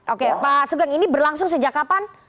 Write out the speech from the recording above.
oke pak sugeng ini berlangsung sejak kapan